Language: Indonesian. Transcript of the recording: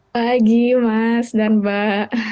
pagi mas dan mbak